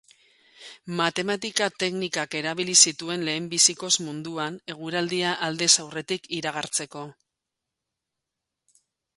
Matematika-teknikak erabili zituen lehenbizikoz munduan, eguraldia aldez aurretik iragartzeko.